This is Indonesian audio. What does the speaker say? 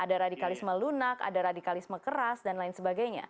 ada radikalisme lunak ada radikalisme keras dan lain sebagainya